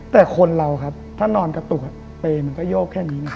แต่คนเราครับถ้านอนกระตุกเปย์มันก็โยกแค่นี้นะ